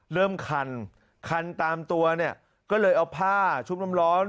เริ่มคันคันตามตัวเนี่ยก็เลยเอาผ้าชุบน้ำร้อน